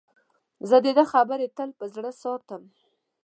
زه د ده خبرې تل په زړه ساتم.